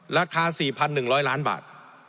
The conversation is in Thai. ราคา๔๑๐๐ล้านบาท